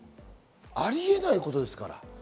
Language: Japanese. ありえないことですから。